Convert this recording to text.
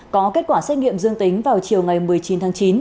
có kết quả xét nghiệm dương tính vào chiều ngày một mươi chín tháng chín